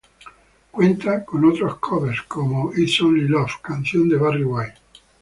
Cuenta con otros covers como "It's Only Love", canción de Barry White.